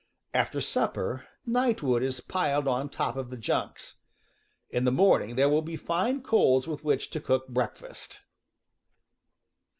After supper, night wood is piled on top of the junks. In the morning there will be fine coals with which to cook breakfast.